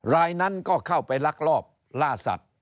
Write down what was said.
รายนั้นก็เข้าไปลักลอบล่าสัตว์